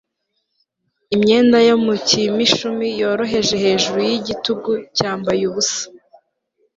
imyenda yo mu cyi imishumi yoroheje hejuru yigitugu cyambaye ubusa